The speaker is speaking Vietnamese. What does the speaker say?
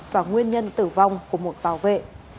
và nguyên nhân tử vong của một bảo vệ